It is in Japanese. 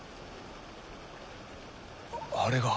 あれが。